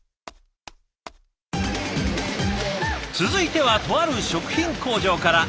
続いてはとある食品工場から。